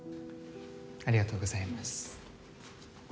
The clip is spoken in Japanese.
ありがとうございます